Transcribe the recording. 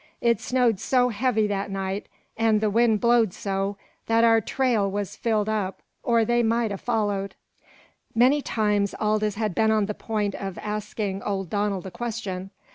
It snowed so heavy that night, an' the wind blowed so, that our trail was filled up or they might ha' followed." Many times Aldous had been on the point of asking old Donald a question.